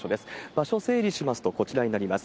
場所を整理しますと、こちらになります。